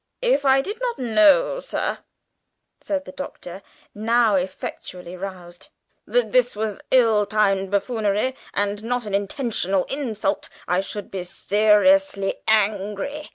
"If I did not know, sir," said the Doctor, now effectually roused, "that this was ill timed buffoonery, and not an intentional insult, I should be seriously angry.